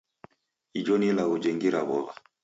Ijo ni ilagho jengira w'ow'a.